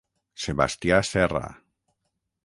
Sebastià Serra.